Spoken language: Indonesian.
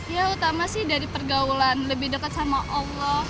ya utama sih dari pergaulan lebih dekat sama allah